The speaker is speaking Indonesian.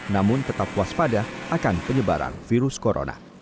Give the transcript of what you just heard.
namun tetap puas pada akan penyebaran virus corona